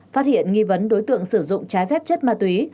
phát hiện nghi vấn đối tượng sử dụng trái phép chất ma túy